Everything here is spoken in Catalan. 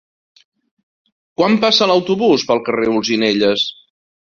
Quan passa l'autobús pel carrer Olzinelles?